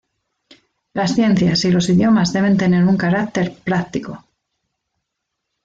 Las ciencias y los idiomas deben tener un carácter práctico.